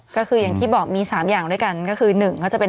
ก็คืออย่างที่บอกมี๓อย่างด้วยกัน